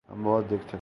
ہم بہت دیکھ چکے۔